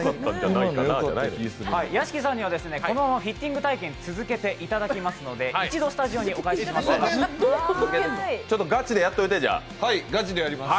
屋敷さんにはこのままフィッティング体験続けていただきますので一度スタジオにお返しします。